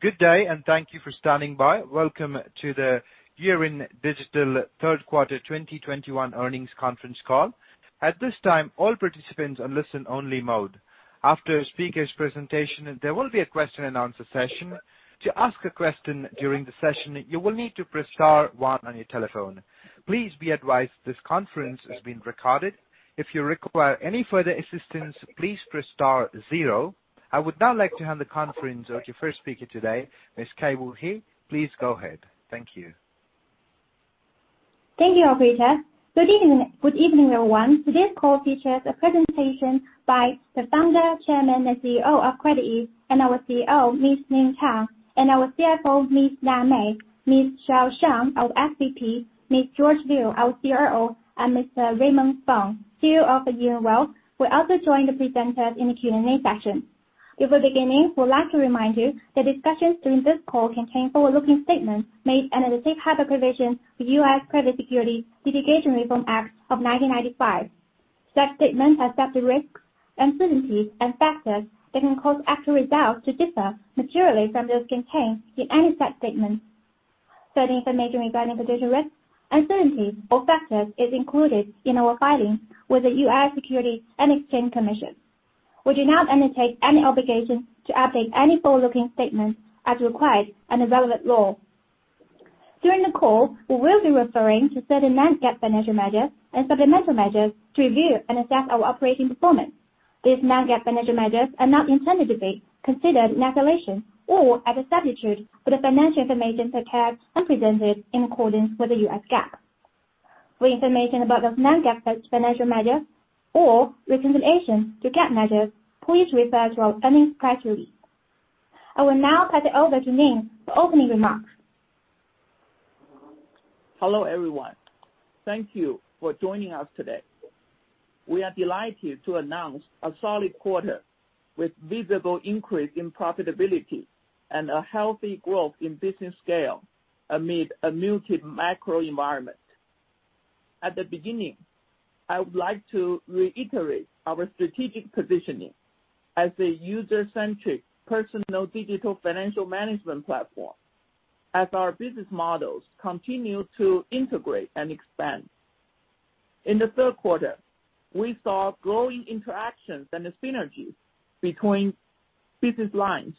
Good day, thank you for standing by. Welcome to the Yiren Digital Q3 2021 earnings conference call. At this time, all participants are in listen-only mode. After speaker's presentation, there will be a question and answer session. To ask a question during the session, you will need to press star one on your telephone. Please be advised this conference is being recorded. If you require any further assistance, please press star zero. I would now like to hand the conference to our first speaker today, Ms. Keyao He. Please go ahead. Thank you. Thank you, operator. Good evening, everyone. Today's call features a presentation by the founder, chairman, and CEO of CreditEase, and our CEO, Ms. Ning Tang, and our CFO, Ms. Na Mei, Ms. Mei Zhao, our SVP, Ms. George Liu, our CRO, and Mr. Raymond Fung, CEO of Yiren Wealth, will also join the presenters in the Q&A session. Before beginning, we'd like to remind you that discussions during this call contain forward-looking statements made under the safe harbor provisions of U.S. Private Securities Litigation Reform Act of 1995. Such statements involve the risks, uncertainties, and factors that can cause actual results to differ materially from those contained in any such statements. Certain information regarding potential risks, uncertainties, or factors is included in our filings with the U.S. Securities and Exchange Commission. We do not undertake any obligation to update any forward-looking statements as required under relevant law. During the call, we will be referring to certain non-GAAP financial measures and supplemental measures to review and assess our operating performance. These non-GAAP financial measures are not intended to be considered in isolation or as a substitute for the financial information portrayed and presented in accordance with the U.S. GAAP. For information about those non-GAAP financial measures or reconciliation to GAAP measures, please refer to our earnings press release. I will now pass it over to Ning for opening remarks. Hello, everyone. Thank you for joining us today. We are delighted to announce a solid quarter with visible increase in profitability and a healthy growth in business scale amid a muted macro environment. At the beginning, I would like to reiterate our strategic positioning as a user-centric personal digital financial management platform as our business models continue to integrate and expand. In the Q3, we saw growing interactions and the synergies between business lines.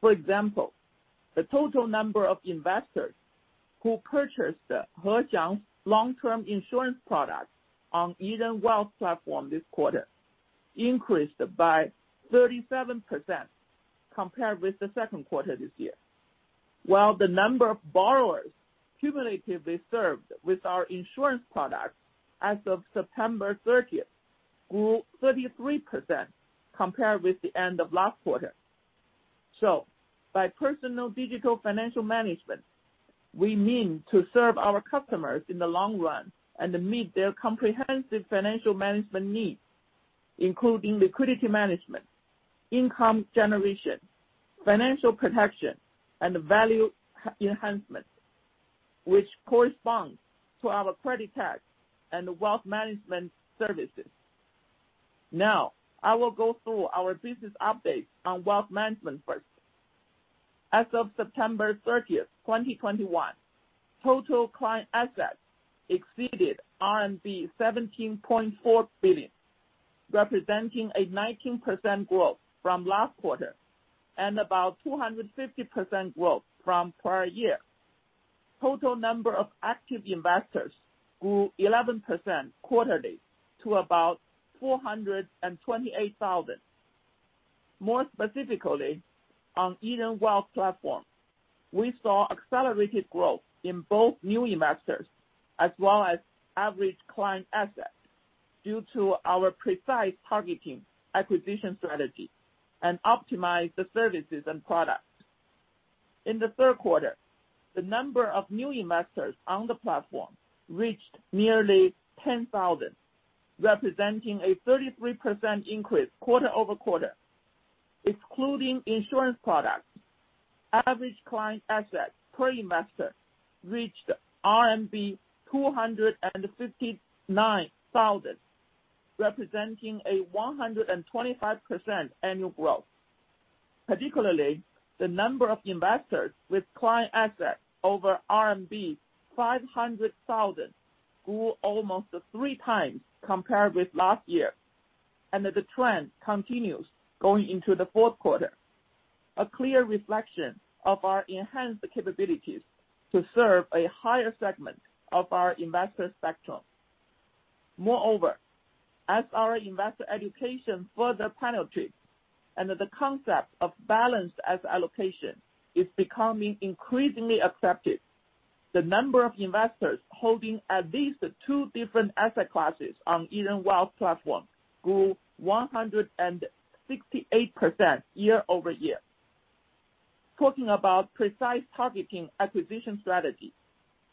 For example, the total number of investors who purchased the Hexiang long-term insurance product on Yiren Wealth platform this quarter increased by 37% compared with the Q2 this year. While the number of borrowers cumulatively served with our insurance product as of September 30 grew 33% compared with the end of last quarter. By personal digital financial management, we mean to serve our customers in the long run and meet their comprehensive financial management needs, including liquidity management, income generation, financial protection, and value enhancement, which corresponds to our credit tech and wealth management services. Now, I will go through our business updates on wealth management first. As of September 30, 2021, total client assets exceeded RMB 17.4 billion, representing a 19% growth from last quarter and about 250% growth from prior year. Total number of active investors grew 11% quarterly to about 428,000. More specifically, on Yiren Wealth platform, we saw accelerated growth in both new investors as well as average client assets due to our precise targeting acquisition strategy and optimized services and products. In the Q3, the number of new investors on the platform reached nearly 10,000, representing a 33% increase quarter-over-quarter. Excluding insurance products, average client assets per investor reached RMB 259,000, representing a 125% annual growth. Particularly, the number of investors with client assets over RMB 500,000 grew almost 3x compared with last year, and the trend continues going into the Q4. A clear reflection of our enhanced capabilities to serve a higher segment of our investor spectrum. Moreover, as our investor education further penetrates and the concept of balance as allocation is becoming increasingly accepted, the number of investors holding at least two different asset classes on Yiren Wealth platform grew 168% year-over-year. Talking about precise targeting acquisition strategy,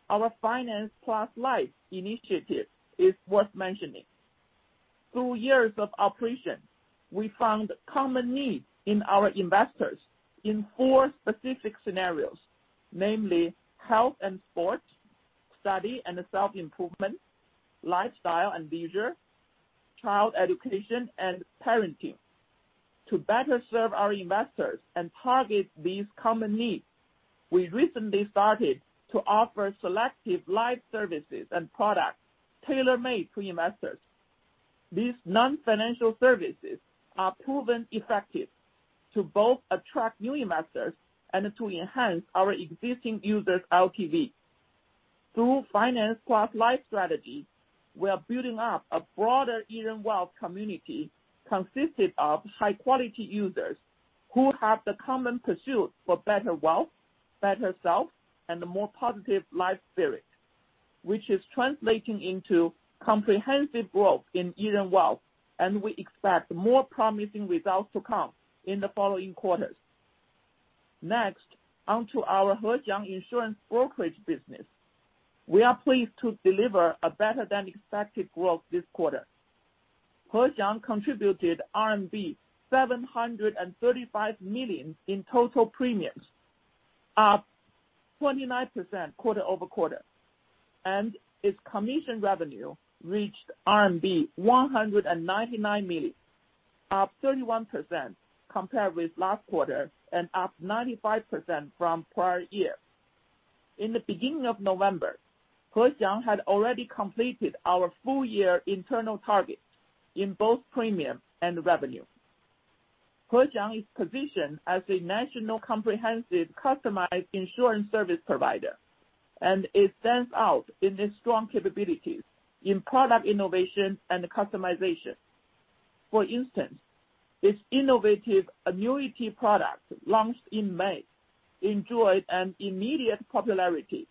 our Finance Plus Life initiative is worth mentioning. Through years of operation, we found common needs in our investors in four specific scenarios, namely health and sports, study and self-improvement, lifestyle and leisure, child education and parenting. To better serve our investors and target these common needs, we recently started to offer selective life services and products tailor-made to investors. These non-financial services are proven effective to both attract new investors and to enhance our existing users' LTV. Through Finance Plus Life strategy, we are building up a broader Yiren Wealth community consisted of high-quality users who have the common pursuit for better wealth, better self, and a more positive life spirit, which is translating into comprehensive growth in Yiren Wealth, and we expect more promising results to come in the following quarters. Next, on to our Hexiang Insurance Brokerage business. We are pleased to deliver a better-than-expected growth this quarter. Hexiang contributed RMB 735 million in total premiums, up 29% quarter over quarter, and its commission revenue reached RMB 199 million, up 31% compared with last quarter and up 95% from prior year. In the beginning of November, Hexiang had already completed our full-year internal targets in both premium and revenue. Hexiang is positioned as a national comprehensive customized insurance service provider, and it stands out in its strong capabilities in product innovation and customization. For instance, its innovative annuity product launched in May enjoyed an immediate popularity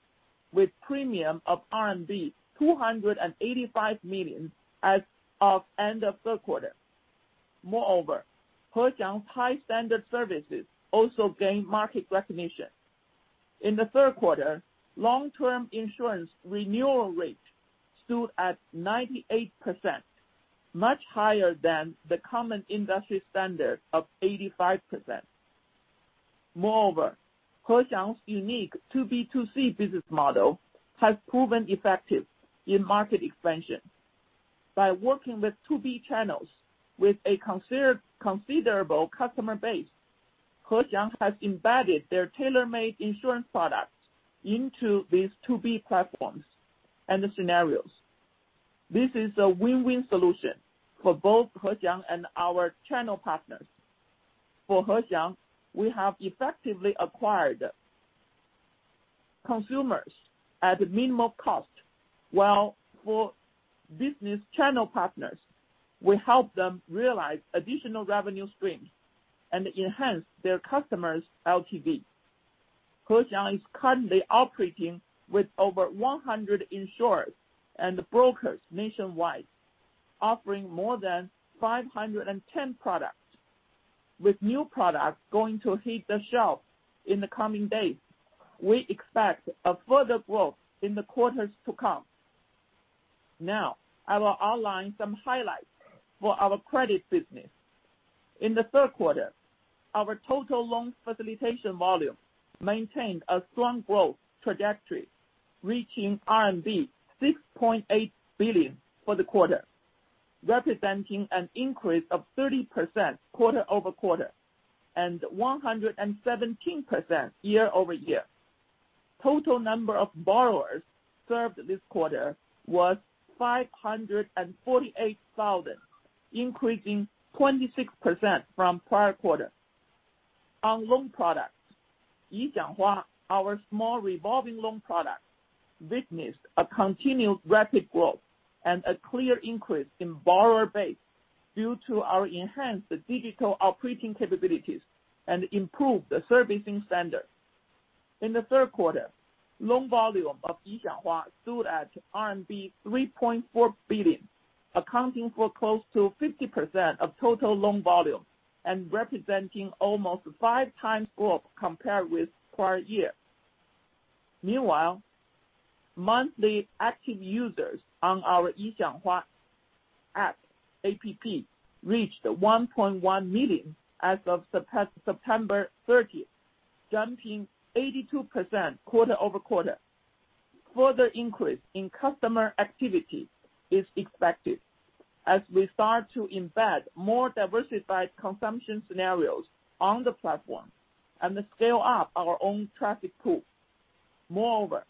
with premium of RMB 285 million as of end of Q3. Moreover, Hexiang's high-standard services also gained market recognition. In the Q3, long-term insurance renewal rate stood at 98%, much higher than the common industry standard of 85%. Moreover, Hexiang's unique 2B2C business model has proven effective in market expansion. By working with 2B channels with a considerable customer base, Hexiang has embedded their tailor-made insurance products into these 2B platforms and the scenarios. This is a win-win solution for both Hexiang and our channel partners. For Hexiang, we have effectively acquired consumers at minimal cost, while for business channel partners, we help them realize additional revenue streams and enhance their customers' LTV. Hexiang is currently operating with over 100 insurers and brokers nationwide, offering more than 510 products. With new products going to hit the shelf in the coming days, we expect a further growth in the quarters to come. Now, I will outline some highlights for our credit business. In the Q3, our total loans facilitation volume maintained a strong growth trajectory, reaching RMB 6.8 billion for the quarter, representing an increase of 30% quarter-over-quarter and 117% year-over-year. Total number of borrowers served this quarter was 548,000, increasing 26% from prior quarter. On loan products, Yixianghua, our small revolving loan product, witnessed a continued rapid growth and a clear increase in borrower base due to our enhanced digital operating capabilities and improved servicing standard. In the Q3, loan volume of Yixianghua stood at RMB 3.4 billion, accounting for close to 50% of total loan volume and representing almost 5x growth compared with prior year. Meanwhile, monthly active users on our Yixianghua app reached 1.1 million as of September 30, jumping 82% quarter-over-quarter. Further increase in customer activity is expected as we start to embed more diversified consumption scenarios on the platform and scale up our own traffic pool. Moreover,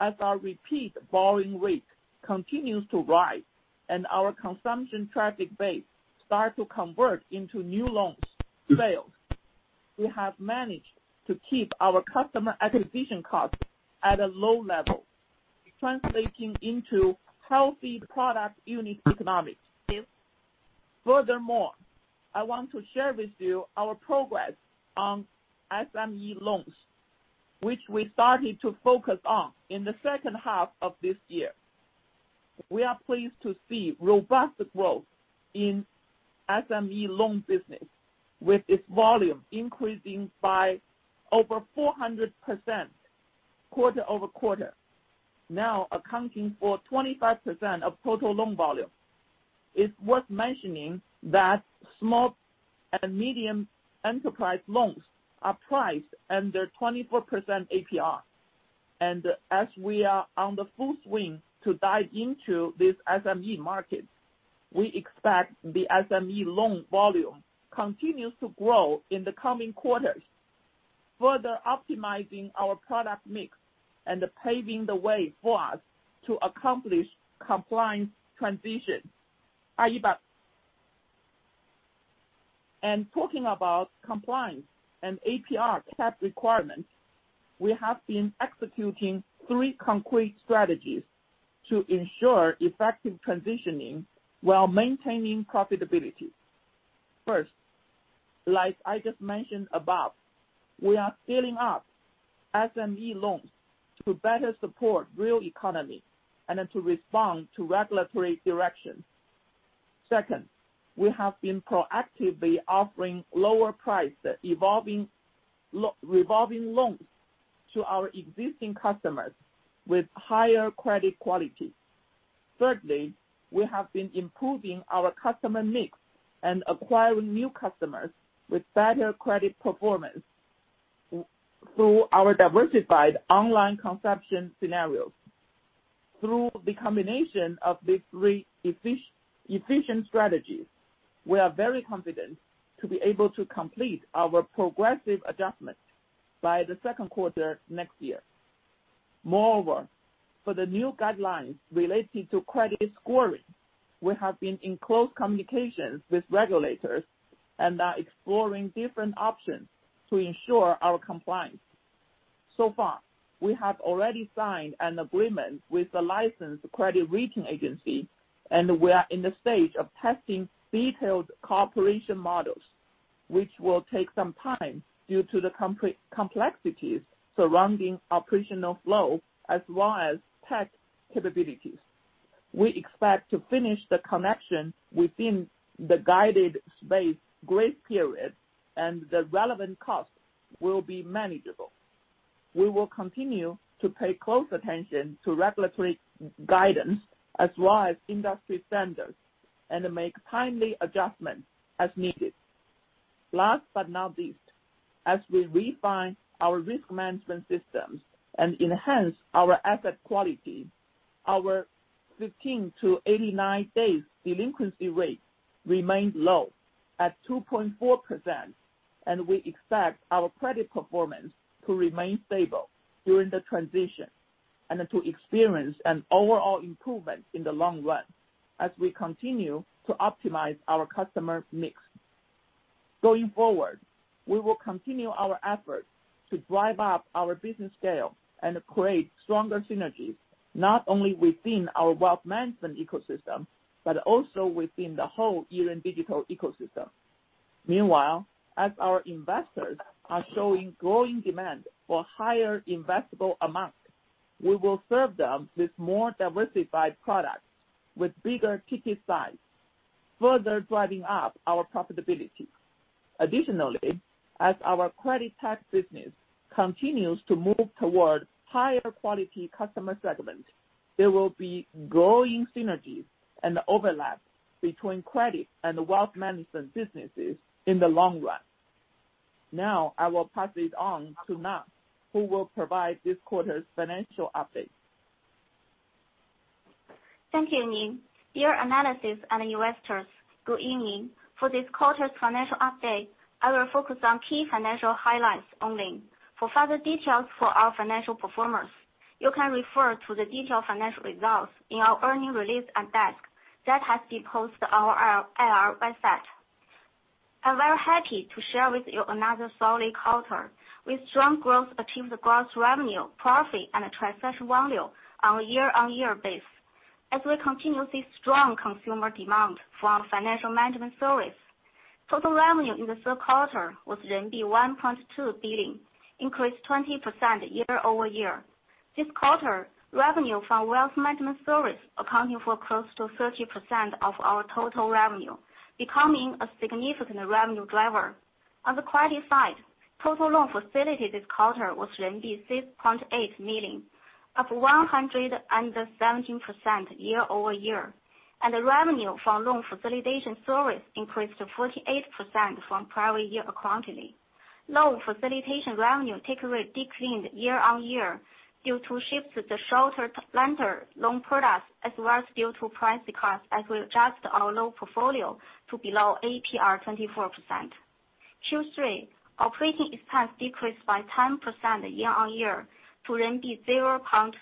as our repeat borrowing rate continues to rise and our consumption traffic base start to convert into new loans sales, we have managed to keep our customer acquisition cost at a low level, translating into healthy product unit economics. Furthermore, I want to share with you our progress on SME loans, which we started to focus on in the second half of this year. We are pleased to see robust growth in SME loan business, with its volume increasing by over 400% quarter-over-quarter, now accounting for 25% of total loan volume. It's worth mentioning that small and medium enterprise loans are priced under 24% APR. As we are on the full swing to dive into this SME market, we expect the SME loan volume continues to grow in the coming quarters, further optimizing our product mix and paving the way for us to accomplish compliance transition. Talking about compliance and APR cap requirements, we have been executing three concrete strategies to ensure effective transitioning while maintaining profitability. First, like I just mentioned above, we are scaling up SME loans to better support real economy and then to respond to regulatory directions. Second, we have been proactively offering lower price revolving loans to our existing customers with higher credit quality. Thirdly, we have been improving our customer mix and acquiring new customers with better credit performance through our diversified online acquisition scenarios. Through the combination of these three efficient strategies, we are very confident to be able to complete our progressive adjustment by the Q2 next year. Moreover, for the new guidelines relating to credit scoring, we have been in close communications with regulators and are exploring different options to ensure our compliance. So far, we have already signed an agreement with the licensed credit rating agency, and we are in the stage of testing detailed cooperation models, which will take some time due to the complexities surrounding operational flow as well as tech capabilities. We expect to finish the connection within the guided space grace period and the relevant costs will be manageable. We will continue to pay close attention to regulatory guidance as well as industry standards and make timely adjustments as needed. Last but not least, as we refine our risk management systems and enhance our asset quality, our 15-89 days delinquency rate remained low at 2.4%, and we expect our credit performance to remain stable during the transition and to experience an overall improvement in the long run as we continue to optimize our customer mix. Going forward, we will continue our efforts to drive up our business scale and create stronger synergies, not only within our wealth management ecosystem, but also within the whole Yiren Digital digital ecosystem. Meanwhile, as our investors are showing growing demand for higher investable amounts, we will serve them with more diversified products with bigger ticket size, further driving up our profitability. Additionally, as our credit tech business continues to move towards higher quality customer segment, there will be growing synergies and overlap between credit and wealth management businesses in the long run. Now I will pass it on to Na, who will provide this quarter's financial update. Thank you, Ning. Dear analysts and investors, good evening. For this quarter's financial update, I will focus on key financial highlights only. For further details for our financial performance, you can refer to the detailed financial results in our earnings release and deck that has been posted on our IR website. I'm very happy to share with you another solid quarter with strong growth achieved in gross revenue, profit and transaction volume on a year-on-year basis as we continue to see strong consumer demand for our financial management service. Total revenue in the Q3 was RMB 1.2 billion, increased 20% year over year. This quarter, revenue from wealth management service accounting for close to 30% of our total revenue, becoming a significant revenue driver. On the credit side, total loans facilitated this quarter was RMB 6.8 million, up 117% year-over-year, and the revenue for loan facilitation service increased by 48% from prior year accordingly. Loan facilitation revenue take rate declined year-on-year due to shifts to the shorter tenor loan products as well as due to price cuts as we adjust our loan portfolio to below 24% APR. Q3 operating expense decreased by 10% year-on-year to RMB 0.8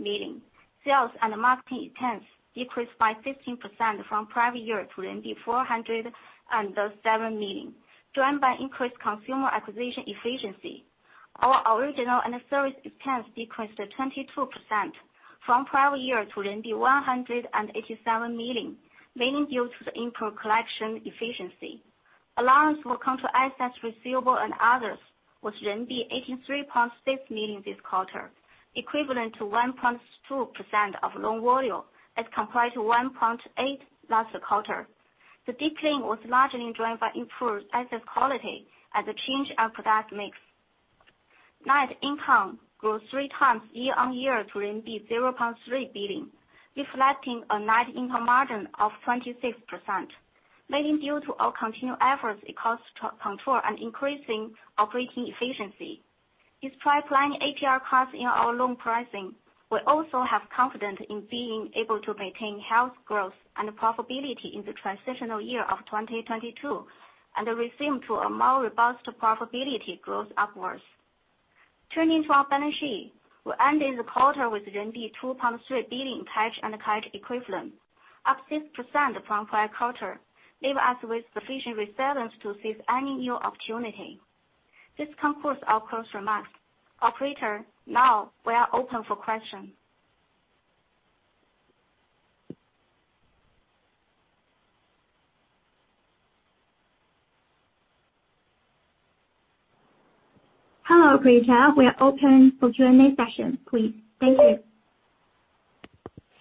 million. Sales and marketing expense decreased by 15% from prior year to RMB 407 million, driven by increased consumer acquisition efficiency. Our origination and service expense decreased by 22% from prior year to 187 million, mainly due to the improved collection efficiency. Allowance for accounts receivable and other assets was renminbi 83.6 million this quarter, equivalent to 1.2% of loan volume as compared to 1.8% last quarter. The decline was largely driven by improved asset quality and the change of product mix. Net income grew three times year-on-year to RMB 0.3 billion, reflecting a net income margin of 26%. Mainly due to our continued efforts in cost control and increasing operating efficiency. Despite planning APR costs in our loan pricing, we also have confidence in being able to maintain healthy growth and profitability in the transitional year of 2022, and ascend to a more robust profitability growth upwards. Turning to our balance sheet, we ended the quarter with renminbi 2.3 billion cash and cash equivalents, up 6% from prior quarter, leaving us with sufficient resilience to seize any new opportunity. This concludes our closing remarks. Operator, now we are open for questions. Hello, operator, we are open for Q&A session, please. Thank you.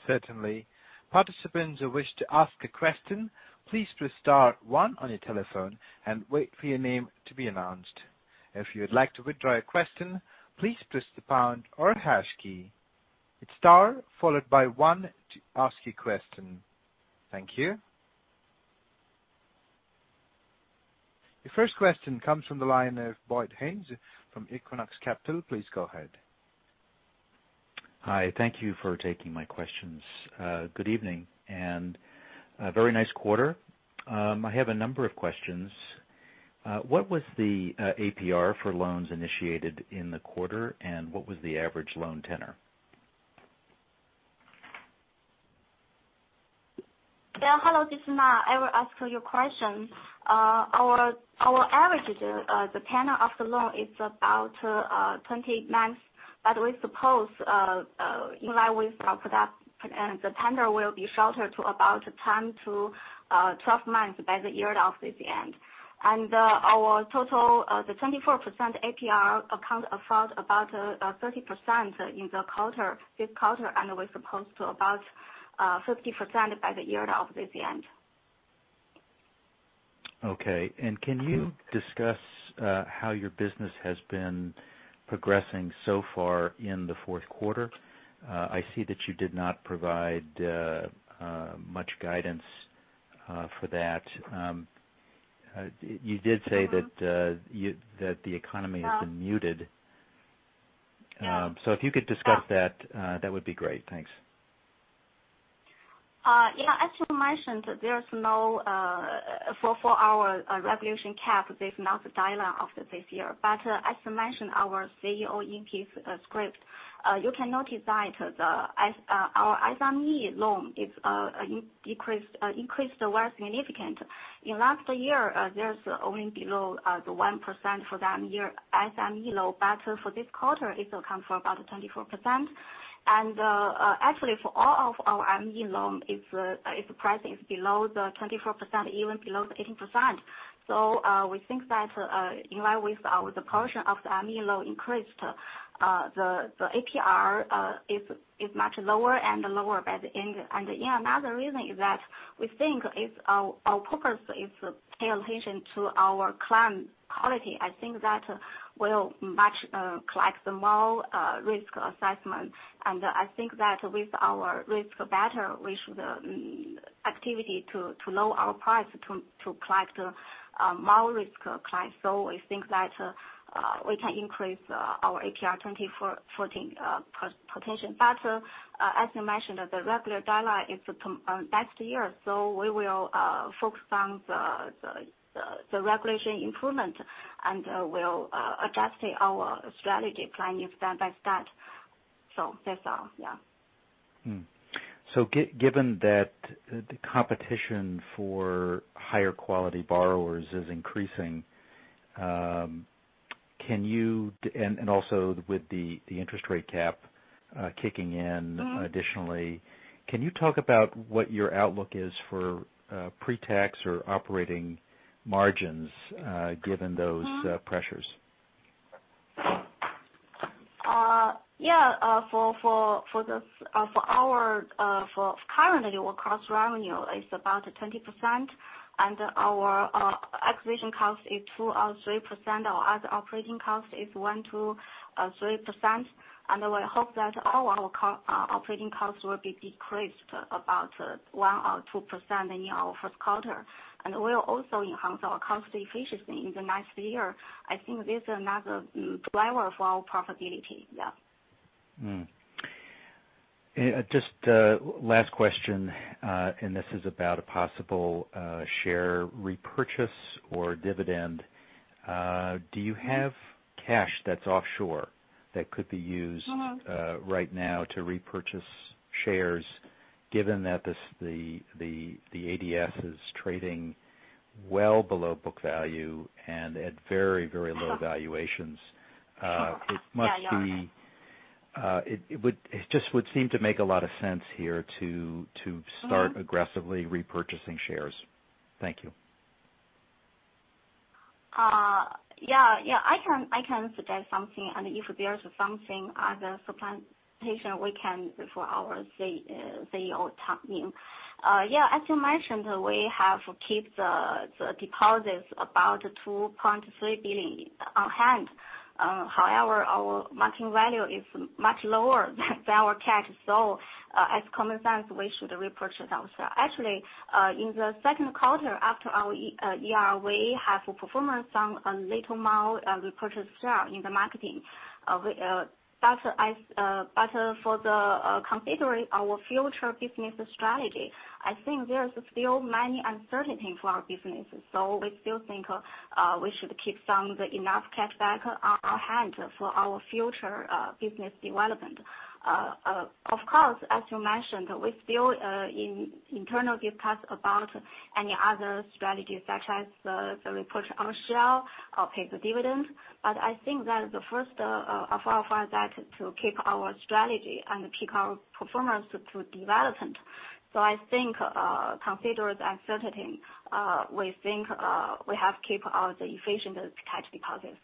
Certainly. Participants who wish to ask a question, please press star one on your telephone and wait for your name to be announced. If you would like to withdraw your question, please press the pound or hash key. It's star followed by one to ask your question. Thank you. The first question comes from the line of Boyd Haynes from Equinox Capital. Please go ahead. Hi. Thank you for taking my questions. Good evening and very nice quarter. I have a number of questions. What was the APR for loans initiated in the quarter, and what was the average loan tenure? Hello, this is Na Mei. I will answer your question. Our average tenure of the loan is about 20 months, but we expect, in line with our product, the tenure will be shorter to about 10-12 months by the end of this year. Our 24% APR accounts for about 30% in this quarter, and we expect to about 50% by the end of this year. Okay. Can you discuss how your business has been progressing so far in the fourth quarter? I see that you did not provide much guidance for that. You did say that the economy has been muted. Yeah. If you could discuss that would be great. Thanks. As you mentioned, there is no regulatory cap this month, July of this year. As you mentioned, our CEO, Ning Tang, you can notice that as our SME loan increased significantly. In last year, there was only below 1% for that year SME loan. For this quarter, it accounts for about 24%. Actually, for all of our SME loan, its price is below 24%, even below 18%. We think that in line with the portion of the SME loan increased, the APR is much lower and lower by the end. Yeah, another reason is that we think our purpose is to pay attention to our client quality. I think that will help collect more risk assets. I think that with our risk better, we should actively lower our price to collect more high-risk clients. We think that we can decrease our APR 24%-14% potential. As you mentioned, the regulatory deadline is coming next year, so we will focus on the regulatory improvement, and we'll adjust our strategic planning step by step. That's all. Given that the competition for higher quality borrowers is increasing, can you, and also with the interest rate cap kicking in additionally. Mm-hmm. Can you talk about what your outlook is for, pre-tax or operating margins, given those, pressures? Currently, our cost revenue is about 20%, and our acquisition cost is 2%-3%. Our other operating cost is 1%-3%. We hope that all our operating costs will be decreased about 1%-2% in our Q1. We'll also enhance our cost efficiency in the next year. I think this is another driver for our profitability. Just last question, and this is about a possible share repurchase or dividend. Do you have cash that's offshore that could be used? Mm-hmm. Right now to repurchase shares given that this, the ADS is trading well below book value and at very, very low valuations? It just would seem to make a lot of sense here to start aggressively repurchasing shares. Thank you. I can suggest something, and if there's something other presentation, we can for our CEO, Ning Tang. As you mentioned, we have kept the deposits about 2.3 billion on hand. However, our market value is much lower than our cash. As common sense, we should repurchase ourselves. Actually, in the Q2 after our ER, we have performed some, a little more repurchase share in the market. But, considering our future business strategy, I think there is still many uncertainty for our business. We still think we should keep some of the enough cash back on our hands for our future business development. Of course, as you mentioned, we still internally discuss about any other strategies such as the repurchase of shares or pay the dividend. I think that the first of our priorities is to keep our strategy and keep our performance and development. I think, considering uncertainty, we think we have to keep our sufficient cash position.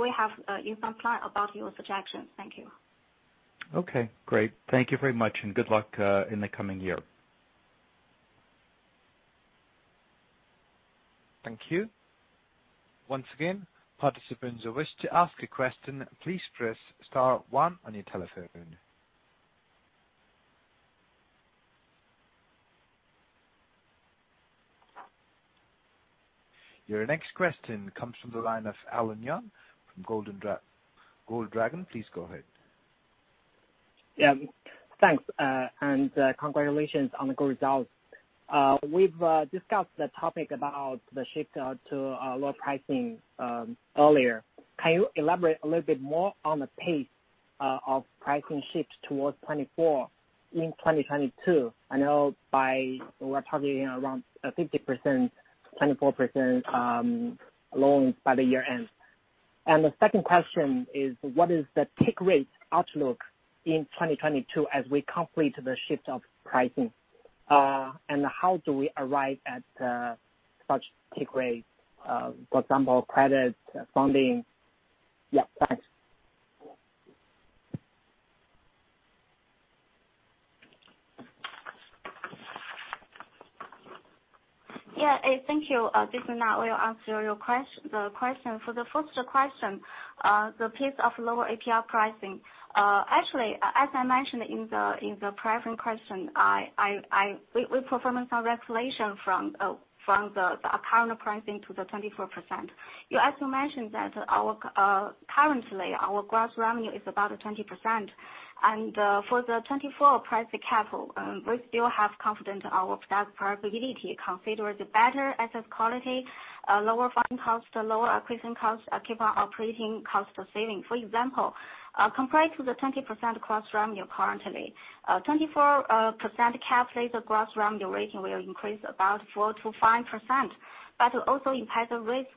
We have an action plan about your suggestions. Thank you. Okay, great. Thank you very much, and good luck in the coming year. Thank you. Once again, participants who wish to ask a question, please press star one on your telephone. Your next question comes from the line of Alan Young from Gold Dragon. Please go ahead. Thanks, and congratulations on the good results. We've discussed the topic about the shift to lower pricing earlier. Can you elaborate a little bit more on the pace of pricing shift towards 24% in 2022? I know we're targeting around 50%, 24% loan by the year end. The second question is what is the take rate outlook in 2022 as we complete the shift of pricing? How do we arrive at such take rate, for example, credit funding? Thanks. Yeah. Thank you. This is Na. We'll answer your question. For the first question, the pace of lower APR pricing. Actually, as I mentioned in the prior question, we performed some adjustment from the current pricing to the 24%. You also mentioned that currently, our gross revenue is about 20%. For the 24% pricing, we still have confidence our product profitability considering better asset quality, lower funding costs, lower acquisition costs, and keeping our operating cost savings. For example, compared to the 20% gross revenue currently, the 24% calculated gross revenue rate will increase about 4%-5%. But it will also impact the risk.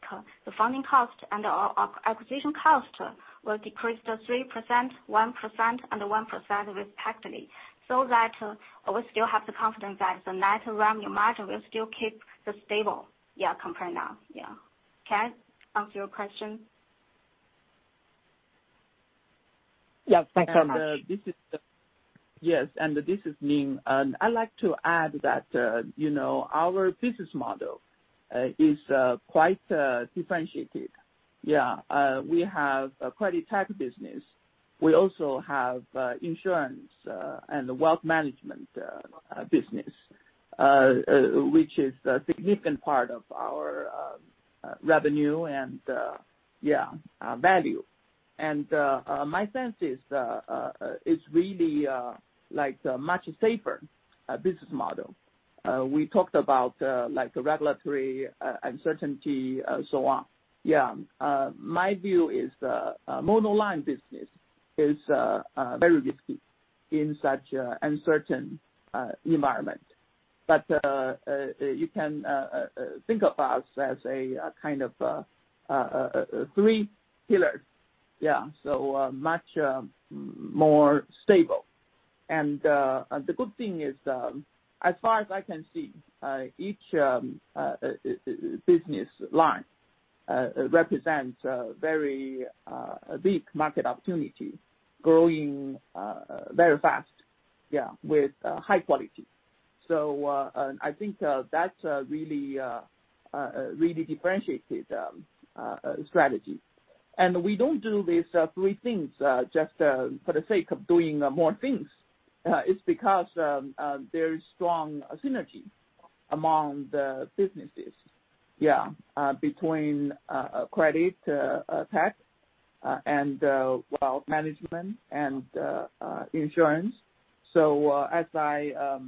The funding cost and acquisition cost will decrease to 3%, 1% and 1% respectively. So that we still have the confidence that the net revenue margin will still keep stable, yeah, compared now, yeah. Okay. Answer your question? Yeah. Thanks very much. And, uh, this is the- Yes. This is Ning. I'd like to add that, you know, our business model is quite differentiated. Yeah. We have a credit tech business. We also have insurance and wealth management business, which is a significant part of our revenue and, yeah, value. My sense is really like the much safer business model. We talked about like the regulatory uncertainty, so on. Yeah. My view is the monoline business is very risky in such an uncertain environment. You can think of us as a kind of a three pillar. Yeah. Much more stable. The good thing is, as far as I can see, each business line represents a very big market opportunity growing very fast with high quality. I think that's a really differentiated strategy. We don't do these three things just for the sake of doing more things. It's because there is strong synergy among the businesses. Yeah, between credit tech and wealth management and insurance. As I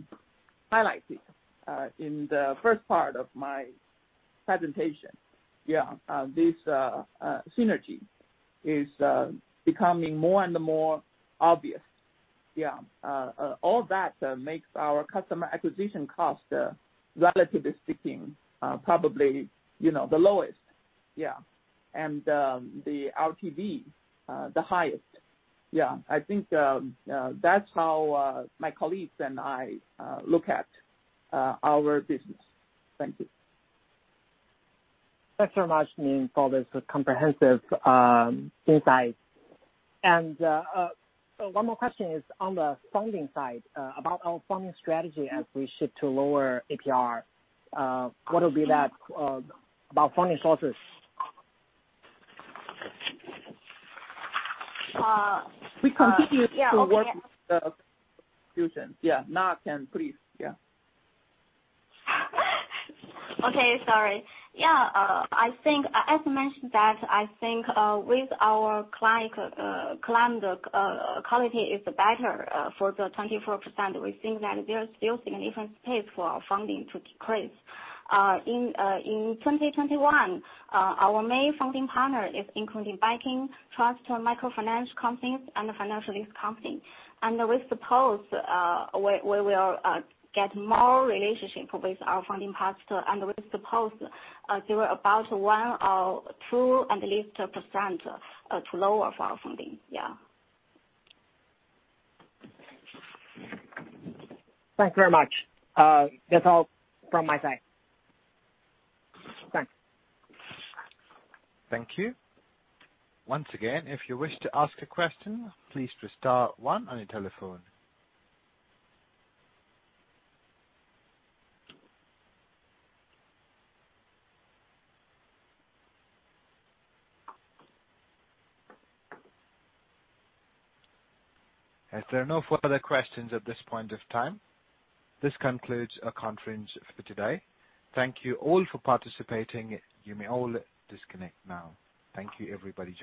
highlighted in the first part of my presentation, this synergy is becoming more and more obvious. All that makes our customer acquisition cost, relatively speaking, probably, you know, the lowest. The LTV, the highest. Yeah. I think that's how my colleagues and I look at our business. Thank you. Thanks so much, Ming, for this comprehensive insight. One more question is on the funding side, about our funding strategy as we shift to lower APR. What will be that about funding sources? Uh. We continue to work with the institutions. Yeah. Na can please. Yeah. I think as mentioned with our client quality is better for the 24%. We think that there's still significant space for our funding to decrease. In 2021, our main funding partner is including banking, trust, microfinance companies and financial lease company. We suppose we will get more relationship with our funding partners. We suppose there were about one or two at least percent to lower our funding. Thank you very much. That's all from my side. Thanks. Thank you. Once again, if you wish to ask a question, please press star one on your telephone. As there are no further questions at this point of time, this concludes our conference for today. Thank you all for participating. You may all disconnect now. Thank you, everybody.